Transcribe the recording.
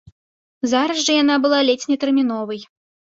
Зараз жа яна была ледзь не тэрміновай.